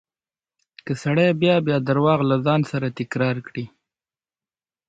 که سړی بيا بيا درواغ له ځان سره تکرار کړي.